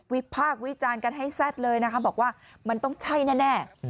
พากษ์วิจารณ์กันให้แซ่ดเลยนะคะบอกว่ามันต้องใช่แน่